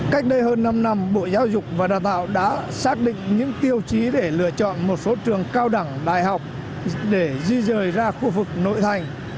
cách đây hơn năm năm bộ giáo dục và đào tạo đã xác định những tiêu chí để lựa chọn một số trường cao đẳng đại học để di rời ra khu vực nội thành